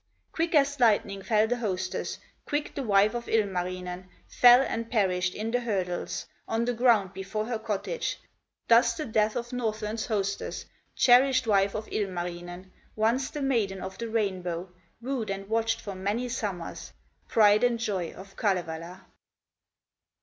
Quick as lightning fell the hostess, Quick the wife of Ilmarinen Fell and perished in the hurdles, On the ground before her cottage; Thus the death of Northland's hostess, Cherished wife of Ilmarinen, Once the Maiden of the Rainbow, Wooed and watched for many summers, Pride and joy of Kalevala!